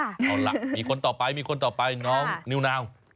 เอาล่ะมีคนต่อไปน้องนิวนาว